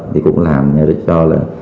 thì cũng làm cho